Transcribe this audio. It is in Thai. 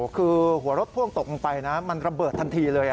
คือหัวรถพ่วงตกลงไปนะมันระเบิดทันทีเลย